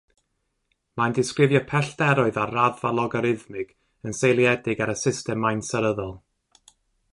Mae'n disgrifio pellteroedd ar raddfa logarithmig yn seiliedig ar y system maint seryddol.